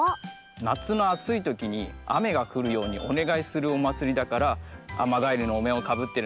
なつのあついときにあめがふるようにおねがいするおまつりだからアマガエルのおめんをかぶってるんだ。